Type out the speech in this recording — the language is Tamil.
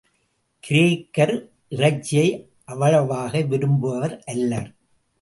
கிரேக்கர் இறைச்சியை அவ்வளவாக விரும்புவர் அல்லர்.